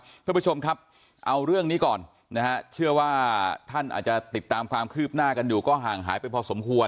คุณผู้ชมครับเอาเรื่องนี้ก่อนนะฮะเชื่อว่าท่านอาจจะติดตามความคืบหน้ากันอยู่ก็ห่างหายไปพอสมควร